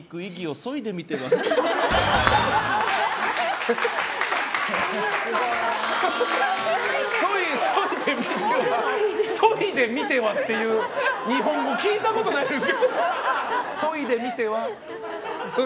そいでみては？っていう日本語聞いたことないです。